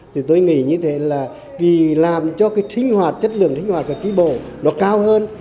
thì tôi nghĩ như thế là làm cho cái chất lượng sinh hoạt của tri bộ nó cao hơn